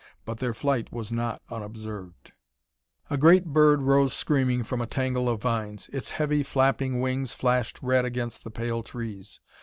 But their flight was not unobserved. A great bird rose screaming from a tangle of vines; its heavy, flapping wings flashed red against the pale trees.